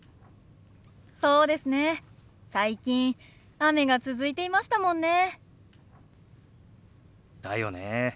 最近雨が続いていましたもんね。だよね。